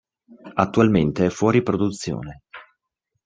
Attualmente è fuori produzione.